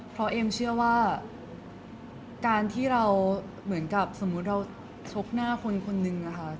เพราะเอมเชื่อว่าการที่เราเหมือนกับสมมุติเราชกหน้าคนคนนึงนะคะ